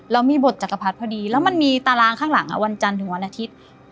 มีบทจักรพรรดิพอดีแล้วมันมีตารางข้างหลังวันจันทร์ถึงวันอาทิตย์